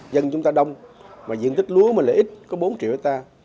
dân chúng ta đông mà diện tích lúa mà lợi ích có bốn triệu hectare